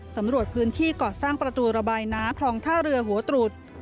สำรวจพื้นที่ก่อสร้างประตูระบายน้ำคลองท่าเรือหัวตรุษ